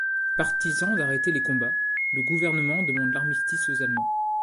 Partisan d'arrêter les combats le gouvernement demande l'armistice aux Allemands.